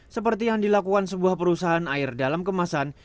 seperti yang dilakukan sebuah perusahaan air dalam kemasan